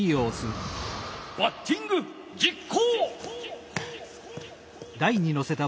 バッティングじっ行！